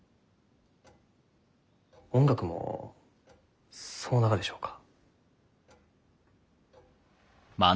音楽もそうながでしょうか？